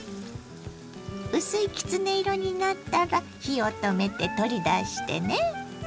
薄いきつね色になったら火を止めて取り出してね。